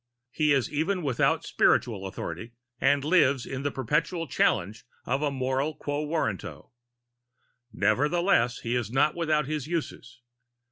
He is even without scriptural authority, and lives in the perpetual challenge of a moral quo warranto. Nevertheless he is not without his uses.